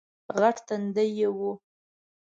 غټ تندی یې وو